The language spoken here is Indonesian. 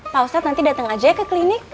pak ustadz nanti datang aja ya ke klinik